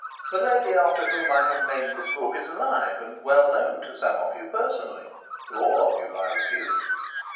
The lady after whom I have named this book is alive, and well known to some of you personally, to all of you by repute.